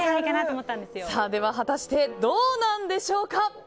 果たしてどうなんでしょうか。